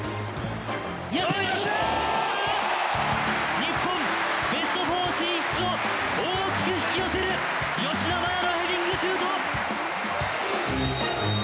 日本、ベスト４進出を大きく引き寄せる吉田麻也のヘディングシュート！